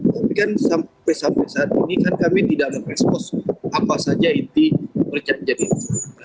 tapi kan sampai sampai saat ini kami tidak mengekspos apa saja inti perjanjian itu